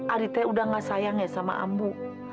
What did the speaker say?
adit sudah tidak sayang sama ambu